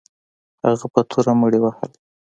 هغه په توره مړي وهل.